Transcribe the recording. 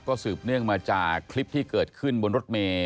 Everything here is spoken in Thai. สืบเนื่องมาจากคลิปที่เกิดขึ้นบนรถเมย์